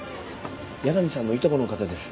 矢上さんのいとこの方です。